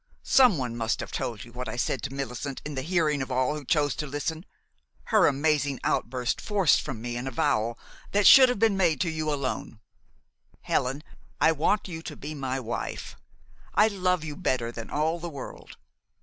Someone must have told you what I said to Millicent in the hearing of all who chose to listen. Her amazing outburst forced from me an avowal that should have been made to you alone. Helen, I want you to be my wife. I love you better than all the world.